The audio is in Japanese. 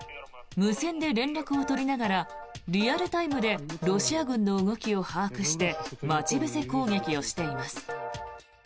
無線で連絡を取りながらリアルタイムでロシア軍の動きを把握して待ち伏せ攻撃をしています。